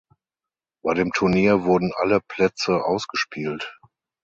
Bei dem Turnier wurden alle Plätze ausgespielt.